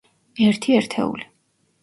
ერთი ერთეული.